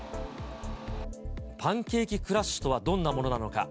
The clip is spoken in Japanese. パンケーキクラッシュとはどんなものなのか。